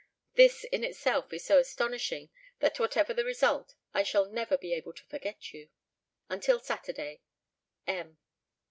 This in itself is so astonishing that whatever the result I shall never be able to forget you. "Until Saturday. "M."